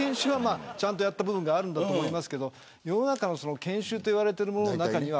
ちゃんとやっている部分があると思いますが世の中の研修と言われているものの中には